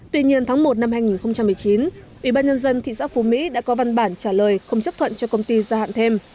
tuy nhiên tháng một năm hai nghìn một mươi chín ủy ban nhân dân thị xã phú mỹ đã có văn bản trả lời không chấp thuận cho công ty gia hạn thêm